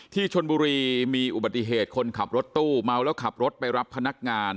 ที่ชนบุรีมีอุบัติเหตุคนขับรถตู้เมาแล้วขับรถไปรับพนักงาน